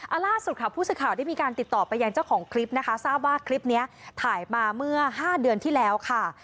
เอาล่าสุดค่ะผู้สื่อข่าวได้มีการติดต่อไปยังเจ้าของคลิปนะคะทราบว่าคลิปนี้ถ่ายมาเมื่อ๕เดือนที่แล้วค่ะ